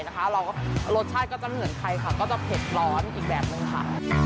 รสชาติก็จะไม่เหมือนใครค่ะก็จะเผ็ดร้อนอีกแบบนึงค่ะ